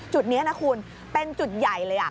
จุดนี้นะคุณเป็นจุดใหญ่เลย